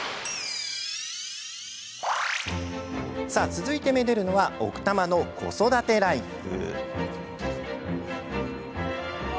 続いて、めでるのは奥多摩の子育てライフ。